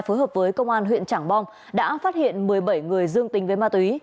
phối hợp với công an huyện trảng bom đã phát hiện một mươi bảy người dương tính với ma túy